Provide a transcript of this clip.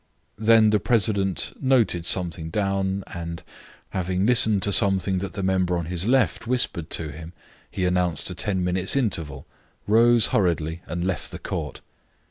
Then the president noted something down, and, having listened to something that the member on his left whispered to him, he announced a ten minutes' interval, rose hurriedly, and left the court.